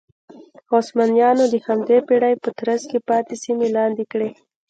عثمانیانو د همدې پېړۍ په ترڅ کې پاتې سیمې لاندې کړې.